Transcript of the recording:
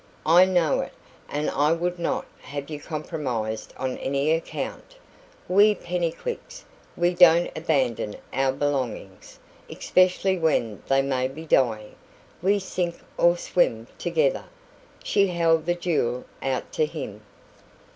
I know it, and I would not have you compromised on any account. We Pennycuicks, we don't abandon our belongings, especially when they may be dying; we sink or swim together." She held the jewel out to him.